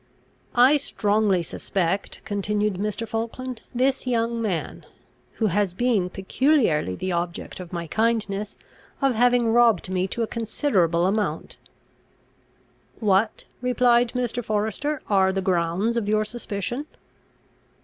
"I strongly suspect," continued Mr. Falkland, "this young man, who has been peculiarly the object of my kindness, of having robbed me to a considerable amount." "What," replied Mr. Forester, "are the grounds of your suspicion?"